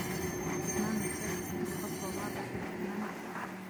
كِتْمَانُ السِّرِّ الْفَصْلُ الرَّابِعُ فِي كِتْمَانِ السِّرِّ